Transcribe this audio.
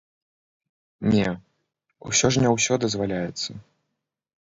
Не, усё ж не ўсё дазваляецца.